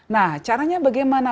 nah caranya bagaimana